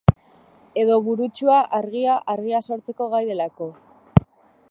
Edo burutsua, argia, argia sortzeko gai delako.